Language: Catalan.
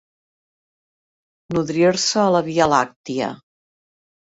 Nodrir-se a la via làctia.